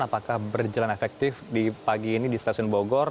apakah berjalan efektif di pagi ini di stasiun bogor